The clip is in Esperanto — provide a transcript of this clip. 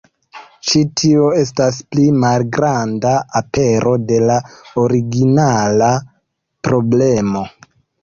Ĉi tio estas pli malgranda apero de la originala problemo.